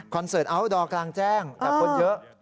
คอนเสิร์ตอัลโหลดออกกำลังแจ้งแต่คนเยอะ